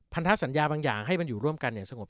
พันธสัญญาบางอย่างให้มันอยู่ร่วมกันอย่างสงบ